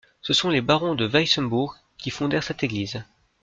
Ce sont les barons de Weissenburg qui fondèrent cette église.